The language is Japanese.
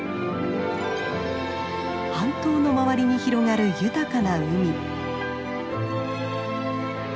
半島の周りに広がる豊かな海。